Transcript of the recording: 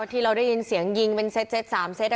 ที่เราได้ยินเสียงยิงเป็นเซต๓เซต